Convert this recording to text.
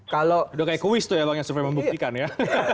kayak kuis tuh ya yang survei membuktikan ya